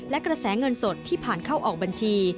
และกระแสเงินสดที่ผ่านเข้าออกบัญชี